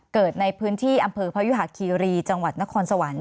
เกิดในพื้นที่อำเภอพยุหะคีรีจังหวัดนครสวรรค์